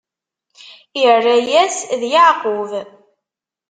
Irra-yas: D Yeɛqub.